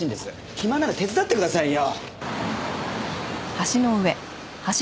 暇なら手伝ってくださいよ。